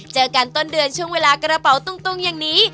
เจอกันต้นเดือนช่วงเวลากระเป๋าตุ้งอย่างนี้